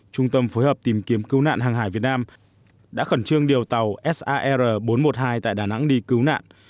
trung tâm phối hợp tìm kiếm cứu nạn hàng hải việt nam đã khẩn trương điều tàu sar bốn trăm một mươi hai tại đà nẵng đi cứu nạn